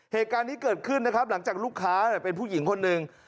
เหตุการณ์นี้เกิดขึ้นนะครับหลังจากลูกค้าเป็นผู้หญิงคนหนึ่ง